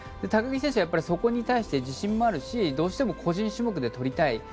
高木選手はそこに対して自信もあるしどうしても個人種目で取りたい。